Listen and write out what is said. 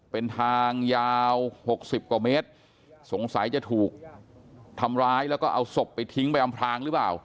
เป็นทางยาวหกสิบกว่าเมตรสงสัยจะถูกทำร้ายแล้วก็เอาศพไปทิ้งไปอำพลางหรือเปล่า